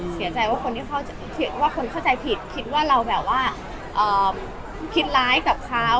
เสียใจว่าคนที่ว่าคนเข้าใจผิดคิดว่าเราแบบว่าคิดร้ายกับเขา